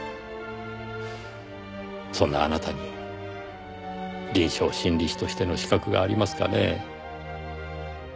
そんなあなたに臨床心理士としての資格がありますかねぇ。